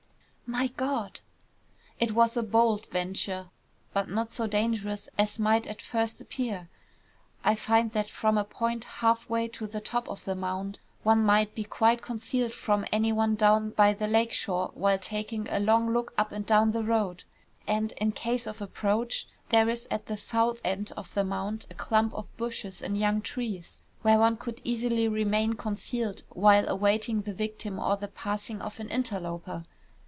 "My God!" "It was a bold venture, but not so dangerous as might at first appear. I find that from a point half way to the top of the mound one might be quite concealed from any one down by the lake shore while taking a long look up and down the road. And, in case of approach, there is at the south end of the mound a clump of bushes and young trees, where one could easily remain concealed while awaiting the victim or the passing of an interloper.